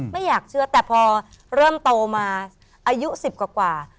ไม่อยากเชื่อแต่พอเริ่มโตมาอายุ๑๐กว่า